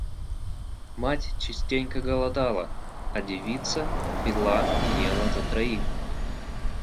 Мать частенько голодала, а девица пила и ела за троих.